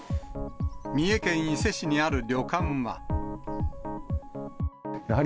三重県伊勢市にある旅館は。